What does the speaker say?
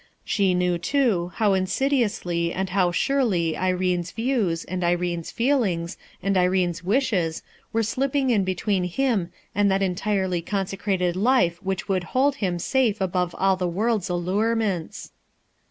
She knew, too, how insidiously and how surely Irene's Views, and Irene's feelings, and Irene's wishes were slipping in between him and that entirely consecrated life which would hold Wra safe above aU the world's allurements.